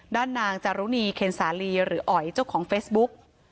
ด้านนางจารุณีเคนสาลีหรืออ๋อยเจ้าของเฟซบุ๊ก